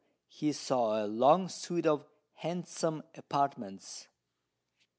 he saw a long suite of handsome apartments.